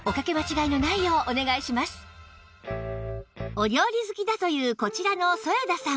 お料理好きだというこちらの添田さん